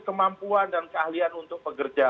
kemampuan dan keahlian untuk pekerja